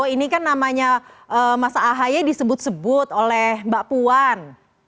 ini kan namanya mas ahaye disebut sebut oleh mbak puan